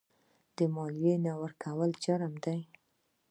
د مالیې نه ورکول جرم دی.